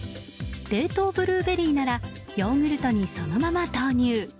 冷凍ブルーベリーならヨーグルトにそのまま投入。